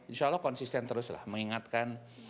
insya allah konsisten terus lah mengingatkan